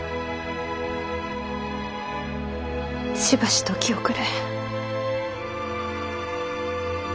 しばし時をくれ。